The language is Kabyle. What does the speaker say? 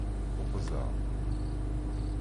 Ukzɣ